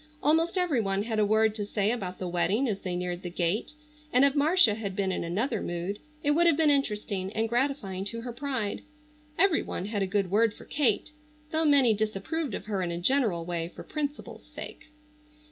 Almost every one had a word to say about the wedding as they neared the gate, and if Marcia had been in another mood it would have been interesting and gratifying to her pride. Every one had a good word for Kate, though many disapproved of her in a general way for principle's sake.